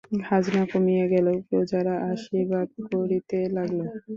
খাজনা কমিয়া গেল, প্রজারা আশীর্বাদ করিতে লাগিল।